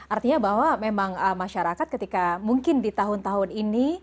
artinya bahwa memang masyarakat ketika mungkin di tahun tahun ini